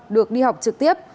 được đi học trực tiếp